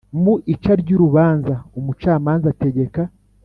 Mu ica ry urubanza umucamanza ategeka